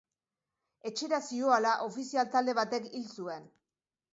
Etxera zihoala ofizial-talde batek hil zuen.